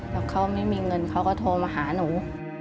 แล้วเขาไม่มีเงินเขาก็โทรมาหาหนู